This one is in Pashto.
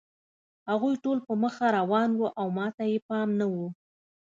هغوی ټول په مخه روان وو او ما ته یې پام نه و